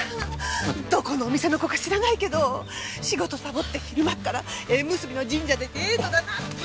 どこのお店の子か知らないけど仕事さぼって昼間っから縁結びの神社でデートだなんて。